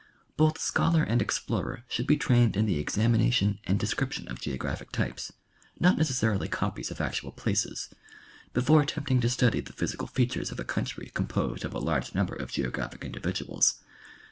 Both scholar and explorer should be trained in the examination and de scription of geographic types, not necessarily copies of actual places, before attempting to study the physical features of a country composed of a large number of geographic individuals.